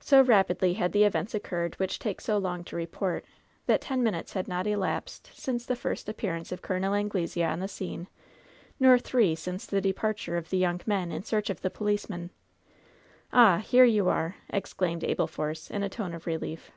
So rapidly had the events occurred which take so long to report, that ten minutes had not clasped since the first appearance of Col. Anglesea on the scene, nor three since the departure of the young men in search of the policemen. "Ah ! here you are !" exclaimed Abel Force, in a tone of relief.